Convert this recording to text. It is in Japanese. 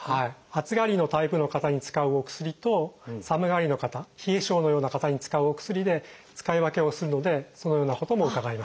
暑がりのタイプの方に使うお薬と寒がりの方冷え症のような方に使うお薬で使い分けをするのでそのようなことも伺います。